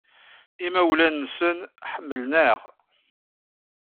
Imawlan-nsen ḥemmlen-aɣ.